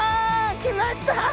きました！